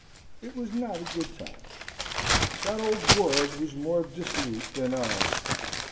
It was not a good time. That old world was more dissolute than ours.